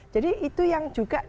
jadi itu yang juga